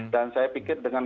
dan saya pikir dengan